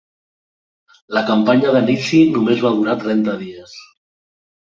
La campanya d'Anici només va durar trenta dies.